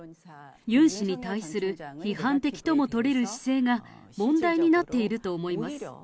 ユン氏に対する批判的とも取れる姿勢が問題になっていると思います。